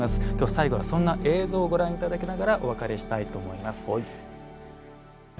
最後はそんな映像をご覧頂きながらお別れしたいと思います。